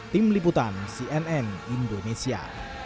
tim liputan cnn indonesia